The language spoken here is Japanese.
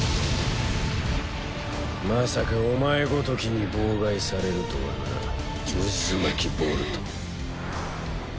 まさかお前ごときに妨害されるとはなうずまきボルト。